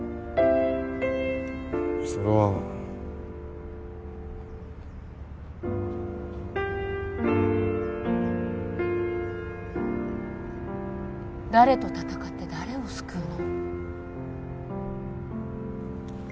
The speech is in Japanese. それは誰と戦って誰を救うの？